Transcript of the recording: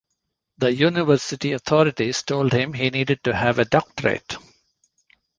The university authorities told him he needed to have a doctorate.